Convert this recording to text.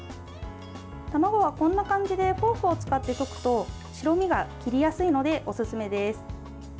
卵はこんな感じでフォークを使って溶くと白身が切りやすいのでおすすめです。